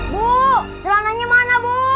bu celananya mana bu